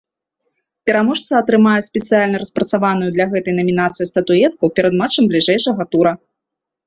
Пераможца атрымае спецыяльна распрацаваную для гэтай намінацыі статуэтку перад матчам бліжэйшага тура.